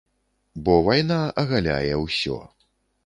Бо вайна агаляе ўсё.